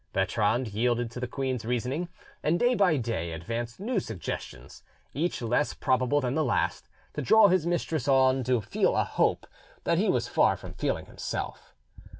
Bertrand yielded to the queen's reasoning, and day by day advanced new suggestions, each less probable than the last, to draw his mistress on to feel a hope that he was far from feeling himself.